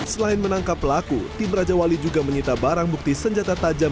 selain menangkap pelaku tim raja wali juga menyita barang bukti senjata tajam